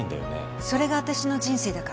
それが私の人生だから。